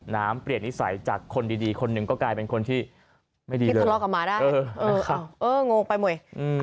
น้ำเปลี่ยนนิสัยจากคนดีคนหนึ่งก็กลายเป็นคนที่ไม่ดีเลย